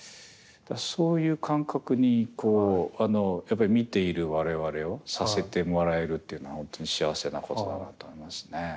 そういう感覚に見ている我々をさせてもらえるというのは本当に幸せなことだなと思いますね。